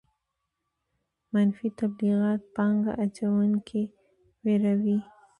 منفي تبلیغات پانګه اچوونکي ویروي.